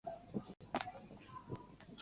育婴留职停薪期满后